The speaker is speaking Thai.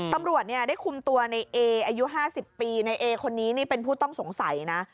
ตำรวจเนี่ยได้คุมตัวในเออายุ๕๐ปีในเอคนนี้นี่เป็นผู้ต้องสงสัยนะ